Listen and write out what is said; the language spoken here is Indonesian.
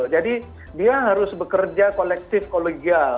jadi dia harus bekerja kolektif kolegial